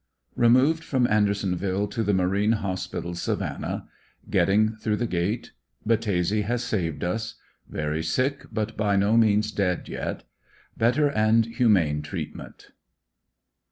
REMOVED FROM ANDERSONVILLE TO THE MARINE HOSPITAL, SAVAN NAH — GETTING THROUGH THE GATE — BATTESE HAS SAVED US — VERY SICK BUT BY NO MEANS DEAD YET — BETTER AND HUMANE TREATMENT.